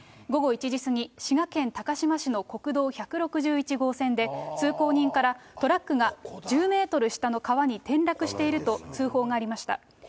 午後１時過ぎ、滋賀県高島市の国道１６１号線で、通行人からトラックが１０メートル下の川に転落していると通報がありました。